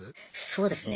そうですね。